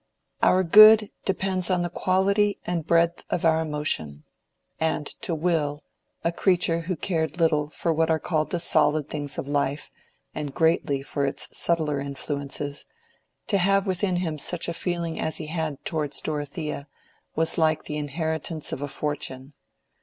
Our good depends on the quality and breadth of our emotion; and to Will, a creature who cared little for what are called the solid things of life and greatly for its subtler influences, to have within him such a feeling as he had towards Dorothea, was like the inheritance of a fortune.